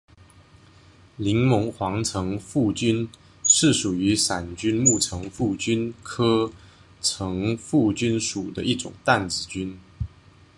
柠檬黄层腹菌是属于伞菌目层腹菌科层腹菌属的一种担子菌。